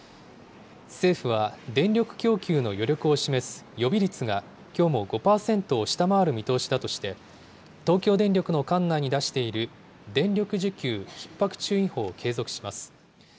政府は電力供給の余力を示す予備率がきょうも５％を下回る見通しだとして、東京電力の管内に出している電力需給ひっ迫注意報を継続します。